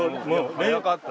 速かった。